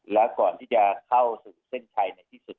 และก่อนที่จะเข้าสู่เส้นชัยในที่สุด